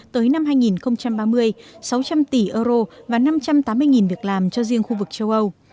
tới năm hai nghìn ba mươi sáu trăm linh tỷ euro và năm trăm tám mươi việc làm cho riêng khu vực châu âu